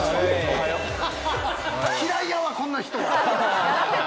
嫌いやわ、こんな人。